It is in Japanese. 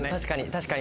確かに。